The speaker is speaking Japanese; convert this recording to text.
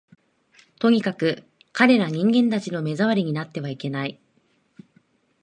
とにかく、彼等人間たちの目障りになってはいけない